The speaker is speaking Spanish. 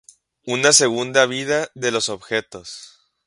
Una segunda vida de los objetos.